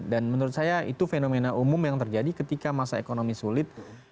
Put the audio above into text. dan menurut saya itu fenomena umum yang terjadi ketika masa ekonomi sulit